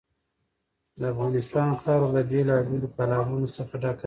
د افغانستان خاوره له بېلابېلو تالابونو څخه ډکه ده.